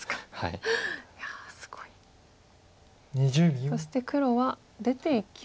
そして黒は出ていきましたね。